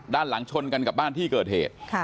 ด้านหลังชนกันกับบ้านที่เกิดเหตุ